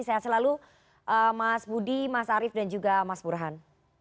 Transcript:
sehat selalu mas budi mas arief dan juga mas burhan